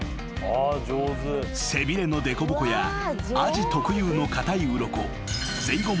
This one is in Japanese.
［背びれの凸凹やアジ特有の硬いうろこ］